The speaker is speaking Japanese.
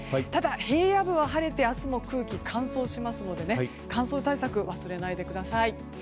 ただ平野部は晴れて明日も空気、乾燥しますので乾燥対策、忘れないでください。